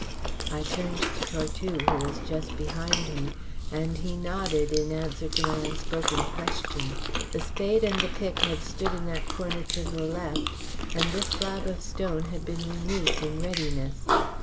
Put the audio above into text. I turned to Tortue, who was just behind me, and he nodded in answer to my unspoken question. The spade and the pick had stood in that corner to the left, and this slab of stone had been removed in readiness.